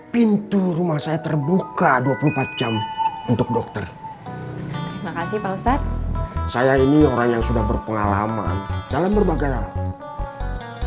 pintu rumah saya terbuka dua puluh empat jam untuk dokter terima kasih pak ustadz saya ini orang yang sudah berpengalaman dalam berbagai hal nanti kalau bu dokter mau cari suami